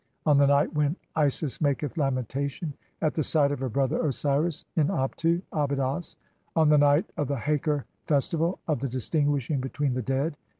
(6) on the night when "Isis maketh lamentation at the side of her brother Osiris in "Abtu (Abydos) ; on the night of the Haker festival (7) of the "distinguishing [between] the dead